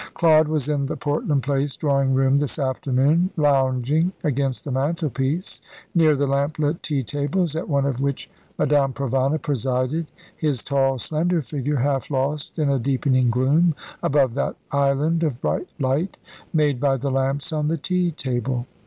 Claude was in the Portland Place drawing room this afternoon, lounging against the mantelpiece, near the lamp lit tea tables, at one of which Madame Provana presided, his tall, slender figure half lost in a deepening gloom, above that island of bright light made by the lamps on the tea table.